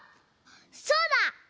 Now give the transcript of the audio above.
そうだ！